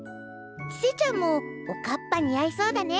ちせちゃんもおかっぱにあいそうだね。